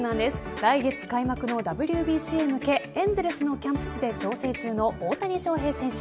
来月開幕のＷＢＣへ向けエンゼルスのキャンプ地で調整中の大谷翔平選手。